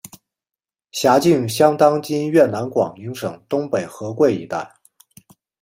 辖境相当今越南广宁省东北河桧一带。